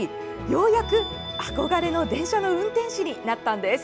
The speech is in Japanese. ようやく憧れの電車の運転士になったんです。